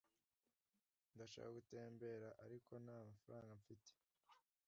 ndashaka gutembera, ariko nta faranga mfite